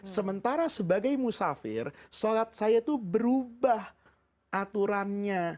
sementara sebagai musafir sholat saya itu berubah aturannya